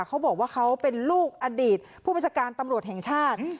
เขาบอกว่าเขาเป็นลูกอดีตผู้บัญชาการตำรวจแห่งชาติ